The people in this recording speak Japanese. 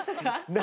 何？